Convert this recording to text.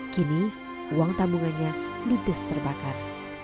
kini uang tabungannya ludes terbakar